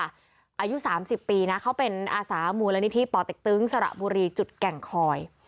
อายุ๓๐ปีนะเขาเป็นอาสามูลนิธิป่อเต็กตึงสระบุรีจุดแก่งคอย